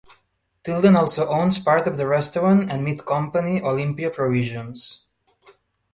Tilden also owns part of the restaurant and meat company Olympia Provisions.